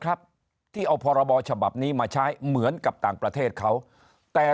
ครับที่เอาพรบฉบับนี้มาใช้เหมือนกับต่างประเทศเขาแต่